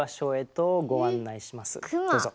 どうぞ。